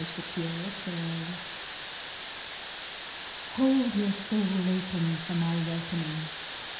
The Giver of Stars Hold your soul open for my welcoming.